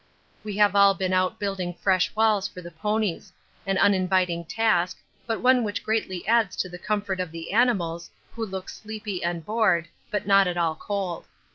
We have all been out building fresh walls for the ponies an uninviting task, but one which greatly adds to the comfort of the animals, who look sleepy and bored, but not at all cold.